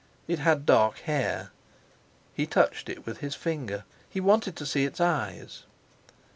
It had dark hair. He touched it with his finger, he wanted to see its eyes.